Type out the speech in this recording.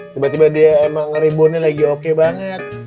tiba tiba dia emang rebound nya lagi oke banget